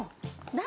誰？